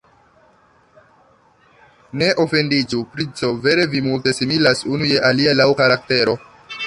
Ne ofendiĝu, princo, vere, vi multe similas unu je alia laŭ karaktero.